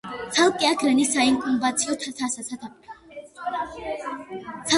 ცალკეა გრენის საინკუბაციო სათავსი, სარდაფს იყენებენ ფოთლის შესანახად.